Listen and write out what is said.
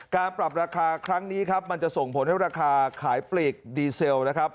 การปรับราคาครั้งนี้ครับมันจะส่งผลให้ราคาขายปลีกดีเซลนะครับ